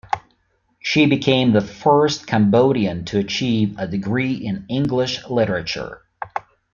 She became the first Cambodian to achieve a degree in English literature.